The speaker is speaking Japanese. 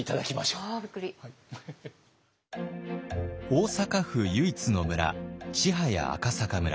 大阪府唯一の村千早赤阪村。